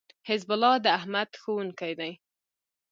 حزب الله داحمد ښوونکی دی